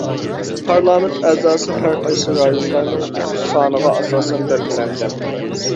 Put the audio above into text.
پارلامېنت ئەزاسى ھەرقايسى رايونلارنىڭ نوپۇس سانىغا ئاساسەن بەلگىلەنگەن.